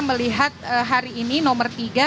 melihat hari ini nomor tiga